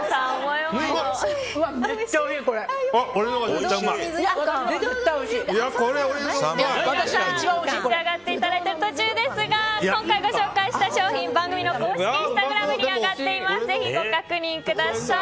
召し上がっていただいている途中ですが今回ご紹介した商品番組の公式インスタグラムに上がっていますのでぜひ、ご確認ください。